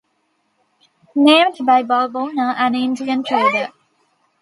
Named by Bulbona an Indian trader.